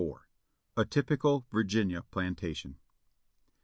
A TYPICAL VIRGINIA PLANTATION".